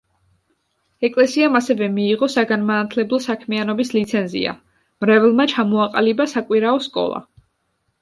ეკლესიამ ასევე მიიღო საგანმანათლებლო საქმიანობის ლიცენზია, მრევლმა ჩამოაყალიბა საკვირაო სკოლა.